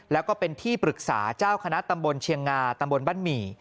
แล้วก็เป็นที่ปรึกษาเจ้าคณะตำบลเชียงงาตำบลบ้านหมี่